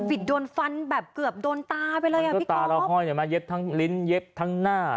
หวิดโดนฟันแบบเกือบโดนตาไปเลยอ่ะพี่ครอบตาเราห้อยเห็นมั้ยเย็บทั้งลิ้นเย็บทั้งหน้า